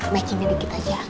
makinnya dikit aja